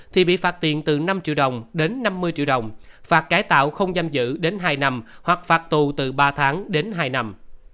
thì bị phạt tiền từ năm triệu đồng đến năm mươi triệu đồng phạt cải tạo không giam giữ đến hai năm hoặc phạt tù từ ba tháng đến hai năm